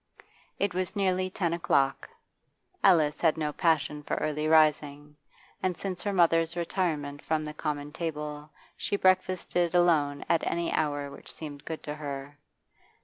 It was nearly ten o'clock; Alice had no passion for early rising, and since her mother's retirement from the common table she breakfasted alone at any hour which seemed good to her.